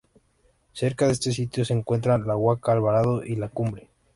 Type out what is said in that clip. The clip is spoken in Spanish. Cerca de este sitio se encuentran la Huaca Alvarado y la Cumbre.